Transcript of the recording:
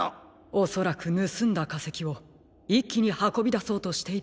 おそらくぬすんだかせきをいっきにはこびだそうとしていたのでしょう。